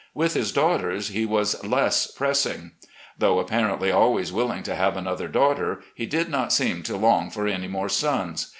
With his daughters he was less pressing. Though apparently always willing to have another daughter, he did not seem to long for any more sons.